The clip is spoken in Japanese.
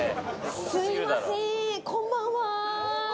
すいません、こんばんは。